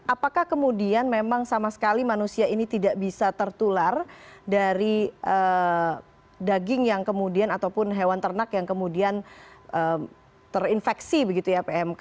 apakah kemudian memang sama sekali manusia ini tidak bisa tertular dari daging yang kemudian ataupun hewan ternak yang kemudian terinfeksi begitu ya pmk